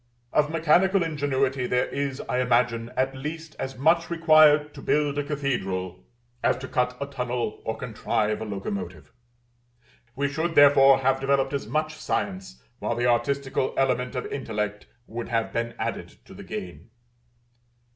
Of mechanical ingenuity, there is, I imagine, at least as much required to build a cathedral as to cut a tunnel or contrive a locomotive: we should, therefore, have developed as much science, while the artistical element of intellect would have been added to the gain.